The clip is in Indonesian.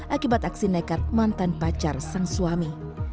akibat aksi nekat mantan pacar sang suami